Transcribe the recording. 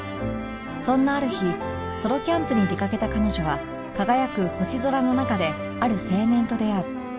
そんなある日ソロキャンプに出掛けた彼女は輝く星空の中である青年と出会う